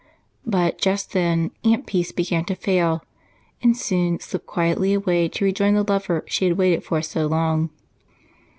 But just then Aunt Peace began to fail and soon slipped quietly away to rejoin the lover she had waited for so long.